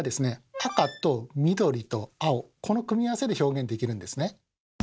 赤と緑と青この組み合わせで表現できるんですね。